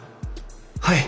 はい！